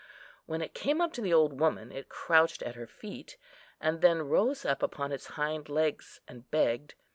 When it came up to the old woman, it crouched at her feet, and then rose up upon its hind legs and begged.